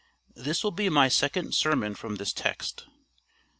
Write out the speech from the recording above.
This will be my second sermon from this text.